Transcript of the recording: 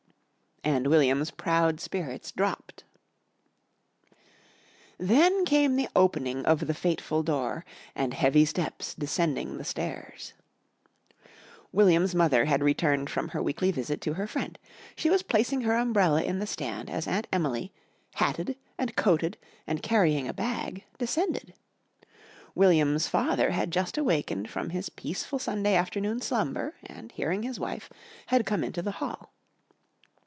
And William's proud spirits dropped. Then came the opening of the fateful door and heavy steps descending the stairs. William's mother had returned from her weekly visit to her friend. She was placing her umbrella in the stand as Aunt Emily, hatted and coated and carrying a bag, descended. William's father had just awakened from his peaceful Sunday afternoon slumber, and, hearing his wife, had come into the hall.